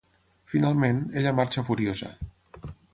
Finalment, ella marxa furiosa.